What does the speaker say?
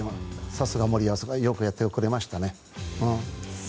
さすが森保よくやってくれましたね。